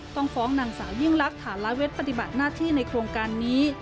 ต้องฟ้องนางสาวยิ่งลักษณ์ฐานละเวทปฏิบัติหน้าที่ในโครงการนี้